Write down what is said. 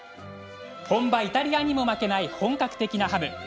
本場イタリアにも負けない本格的なハム。